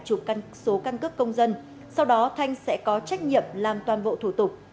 chụp số căn cức công dân sau đó thanh sẽ có trách nhiệm làm toàn bộ thủ tục